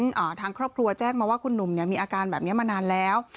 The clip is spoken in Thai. ดังนั้นทางครอบครัวแจ้งมาว่าคุณหนุ่มมีอาการแบบนี้มานานแล้ว